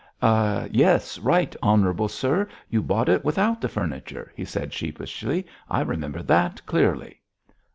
"Yes, Right Honourable Sir, you bought it without the furniture," he said sheepishly. "I remember that clearly."